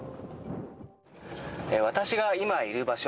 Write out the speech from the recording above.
私が今いる場所